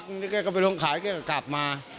ก็เลยไม่รู้ว่าวันเกิดเหตุคือมีอาการมืนเมาอะไรบ้างหรือเปล่า